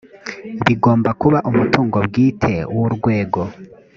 bigomba kuba umutungo bwite w urwego